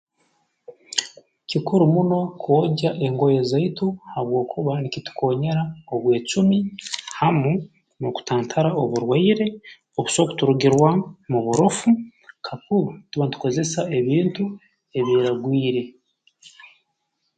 Kikuru muno kwogya engoye zaitu habwokuba nkitukoonyera obwecumi hamu n'okutantara oburwaire obuso kuturugirwamu mu burofu kaku tuba ntukozesa ebintu ebiiragwire